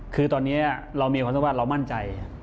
คือตอนนี้เรามีความรู้สึกว่าเรามั่นใจ